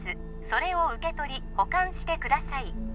それを受け取り保管してください